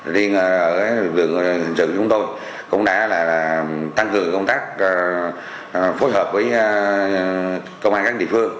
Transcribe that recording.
liên ở đường trường chúng tôi cũng đã tăng cường công tác phối hợp với công an các địa phương